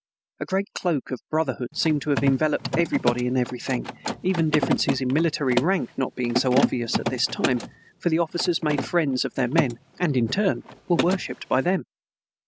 A great cloak of brotherhood seemed to have enveloped everybody and everything, even differences in military rank not being so obvious at this time, for the officers made friends of their men, and in turn were worshipped by them.